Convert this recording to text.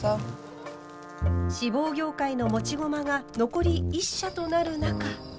志望業界の持ち駒が残り１社となる中。